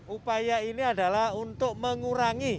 upaya ini adalah untuk mengurangi